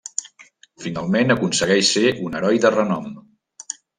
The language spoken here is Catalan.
Finalment aconsegueix ser un heroi de renom.